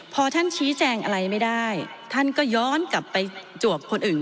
พอท่านชี้แจงอะไรไม่ได้ท่านก็ย้อนกลับไปจวกคนอื่น